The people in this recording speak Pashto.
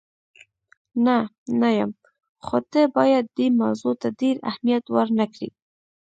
نه، نه یم، خو ته باید دې موضوع ته ډېر اهمیت ور نه کړې.